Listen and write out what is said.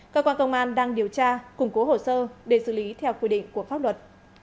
cơ quan công an đang điều tra củng cố hồ sơ để xử lý theo quy định của pháp luật